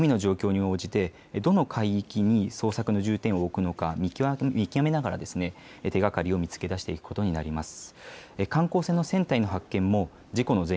潮の流れなど海の状況に応じて捜索の重点を置くのか見極めながら手がかりを見つけ出すことになります。